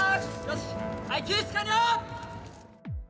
よし。